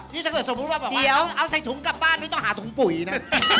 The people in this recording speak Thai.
นี่ถ้าเกิดสมมุติว่าบอกเดี๋ยวเอาใส่ถุงกลับบ้านนี่ต้องหาถุงปุ๋ยนะ